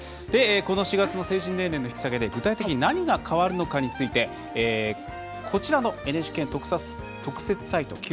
この４月の成人年齢の引き下げで具体的に何が変わるのかについてこちらのＮＨＫの特設サイト